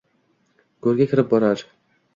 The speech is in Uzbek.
Go’rga kirib barobar